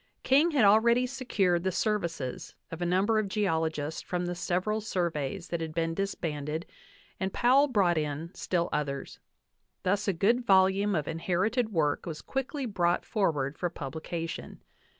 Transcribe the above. King h,ad already secured the services of a number of geologists from the several surveys that had been disbanded and Powell brought in still others ; thus a good volume of inherited work was quickly brought forward for publication.